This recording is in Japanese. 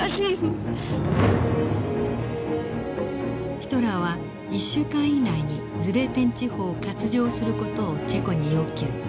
ヒトラーは１週間以内にズデーテン地方を割譲する事をチェコに要求。